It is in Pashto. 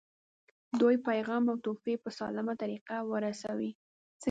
دوی پیغام او تحفې په سالمه طریقه ورسوي.